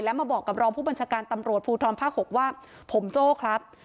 แล้วมาบอกกับรองผู้บัญชาการตำรวจภูทรภาค๖ว่าผมโจ้ครับ